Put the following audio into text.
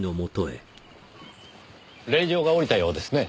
令状が下りたようですね。